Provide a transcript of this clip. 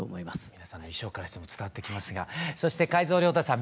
皆さんの衣装からしても伝わってきますがそして海蔵亮太さん「未来のトビラ」。